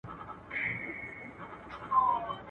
تا هم کړي دي د اور څنګ ته خوبونه؟!.